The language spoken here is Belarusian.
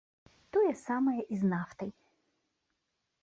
Тое самае і з нафтай.